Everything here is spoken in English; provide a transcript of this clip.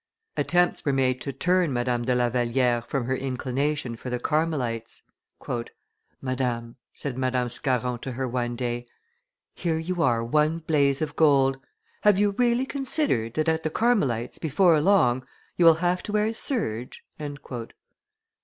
Attempts were made to turn Madame de La Valliere from her inclination for the Carmelites: "Madame," said Madame Scarron to her one day, "here are you one blaze of gold: have you really considered that at the Carmelites' before long, you will have to wear serge?"